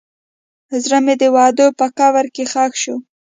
زړه مې د وعدو په قبر کې ښخ شو.